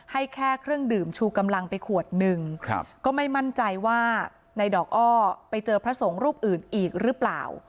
ให้แค่เครื่องดื่มชูกำลังไปขวดหนึ่งก็ไม่มั่นใจว่าในดอกอ้อไปเจอพระสงฆ์รูปอื่นอีกหรือเปล่า